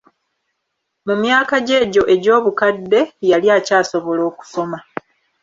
Mu myaka gye egyo egy'obukadde, yali akyasobola okusoma.